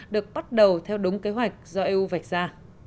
được bắt đầu theo đúng kế hoạch do eu vạch ra